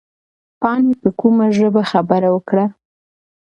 پاڼې په کومه ژبه خبره وکړه؟